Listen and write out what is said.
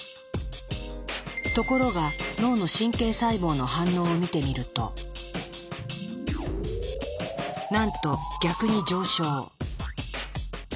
ところが脳の神経細胞の反応を見てみるとなんと逆に上昇。